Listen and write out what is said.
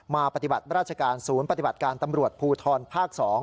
ปฏิบัติราชการศูนย์ปฏิบัติการตำรวจภูทรภาค๒